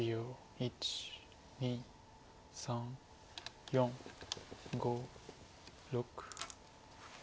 １２３４５６。